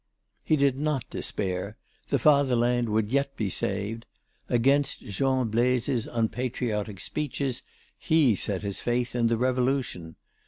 He did not despair; the fatherland would yet be saved. Against Jean Blaise's unpatriotic speeches he set his faith in the Revolution.